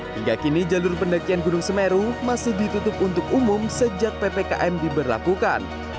hingga kini jalur pendakian gunung semeru masih ditutup untuk umum sejak ppkm diberlakukan